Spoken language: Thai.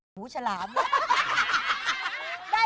หูฉลามเนี่ย